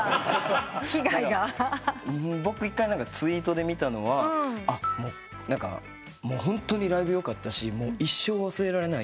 僕１回ツイートで見たのはホントにライブよかったし一生忘れられない。